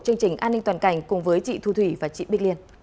chương trình an ninh toàn cảnh cùng với chị thu thủy và chị bích liên